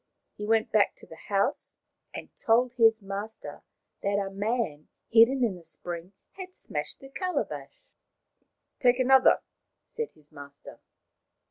He went back to the house and told his master that a man hidden in the spring had smashed the calabash. " Take another," said his master.